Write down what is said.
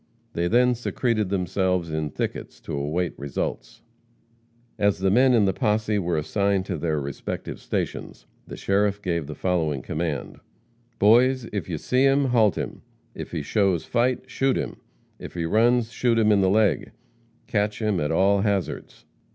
They then secreted themselves in thickets to await results. As the men in the posse were assigned to their respective stations, the sheriff gave the following command: "Boys, if you see him, halt him; if he shows fight, shoot him; if he runs, shoot him in the legs. Catch him, at all hazards."